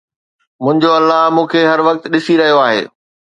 منهنجو الله مون کي هر وقت ڏسي رهيو آهي